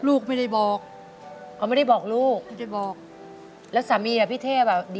ลูกไม่ได้บอกเขาไม่ได้บอกลูกไม่ได้บอกแล้วสามีอ่ะพี่เทพอ่ะดี